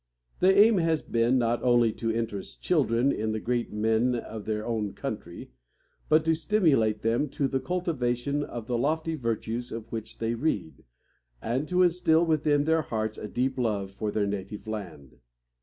The aim has been not only to interest children in the great men of their own country, but to stimulate them to the cultivation of the lofty virtues of which they read, and to instil within their hearts a deep love for their native land.